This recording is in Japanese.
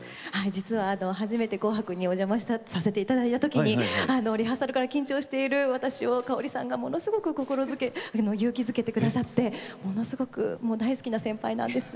実は初めて「紅白」にお邪魔させていただいたときリハーサルから緊張している私をかおりさんがものすごく勇気づけてくださってものすごく大好きな先輩なんです。